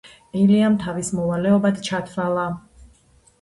ილიამ თავის მოვალეობად ჩათვალა